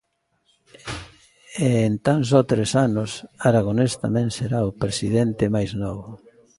E En tan só tres anos, Aragonés tamén será o presidente máis novo.